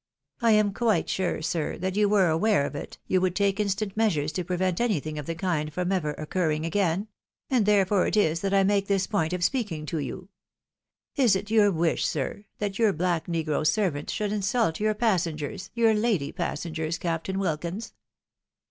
I am quite sure, sir, that were you aware of it, you would take instant measures to prevent anything of the kind from ever occurring again ; and therefore it is that I make this point of speaking to you. Is it your wish, sir, that your black negro servant should insult your passengers, your lady passengers. Captain Wilkins?"